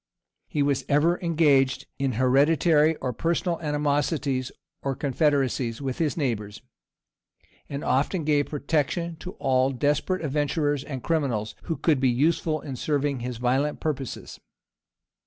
[] He was ever engaged in hereditary or personal animosities or confederacies with his neighbors, and often gave protection to all desperate adventurers and criminals, who could be useful in serving his violent purposes.